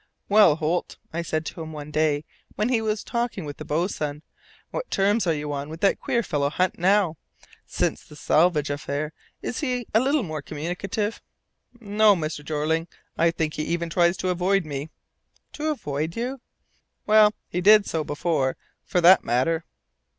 "Well, Holt," said I to him one day when he was talking with the boatswain, "what terms are you on with that queer fellow Hunt now? Since the salvage affair, is he a little more communicative?" "No, Mr. Jeorling, and I think he even tries to avoid me." "To avoid you?" "Well, he did so before, for that matter."